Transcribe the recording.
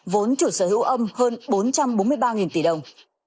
vốn chủ sở hữu âm hơn bốn trăm bốn mươi ba tỷ đồng